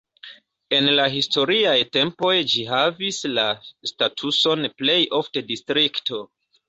En la historiaj tempoj ĝi havis la statuson plej ofte distrikto.